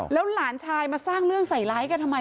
แล้วหลานชายมาสร้างเรื่องใส่ร้ายกันทำไม